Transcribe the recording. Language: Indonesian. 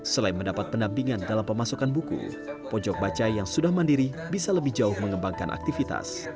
selain mendapat pendampingan dalam pemasukan buku pojok baca yang sudah mandiri bisa lebih jauh mengembangkan aktivitas